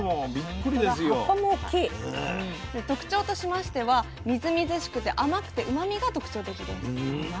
で特徴としましてはみずみずしくて甘くてうまみが特徴的です。